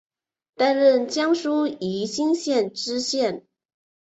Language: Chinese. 担任江苏宜兴县知县。